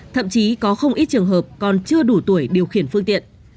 thậm chí có không ít trường hợp còn chưa đủ tuổi điều khiển phương tiện